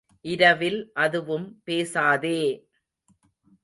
இரவில் அதுவும் பேசாதே!